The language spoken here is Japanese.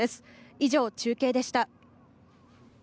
以上、中継でした。